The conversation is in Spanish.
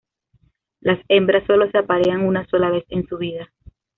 Las hembras solo se aparean una sola vez en su vida.